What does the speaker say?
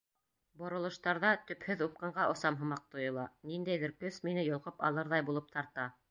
Боролоштарҙа төпһөҙ упҡынға осам һымаҡ тойола, ниндәйҙер көс мине йолҡоп алырҙай булып тарта.